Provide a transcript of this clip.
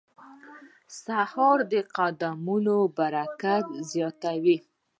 سهار د قدمونو برکت زیاتوي.